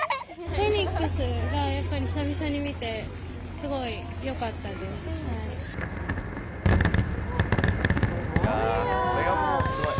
フェニックスがやっぱり久々に見て、すごいよかったです。